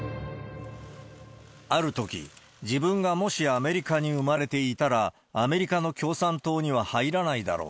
あるとき、自分がもしアメリカに生まれていたら、アメリカの共産党には入らないだろう。